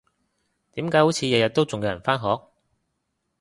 點解好似日日都仲有人返學？